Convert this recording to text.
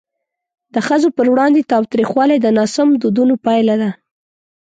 د ښځو پر وړاندې تاوتریخوالی د ناسم دودونو پایله ده.